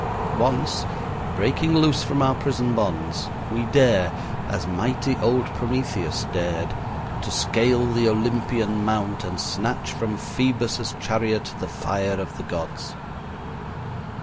Once, breaking loose from our prison bonds, we dare, as mighty old Prometheus dared, to scale the Olympian mount and snatch from Phoebus' chariot the fire of the gods.